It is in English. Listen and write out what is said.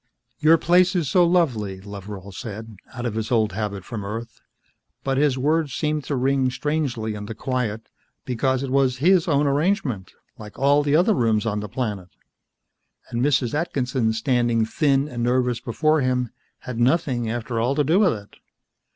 "Your place is so lovely," Loveral said, out of his old habit from Earth. But his words seemed to ring strangely in the quiet, because it was his own arrangement, like all the other rooms on the planet. And Mrs. Atkinson, standing thin and nervous before him, had nothing, after all, to do with it.